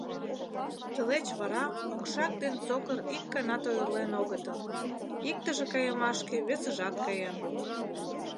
Тылеч вара окшак ден сокыр ик ганат ойырлен огытыл: иктыже кайымашке весыжат каен.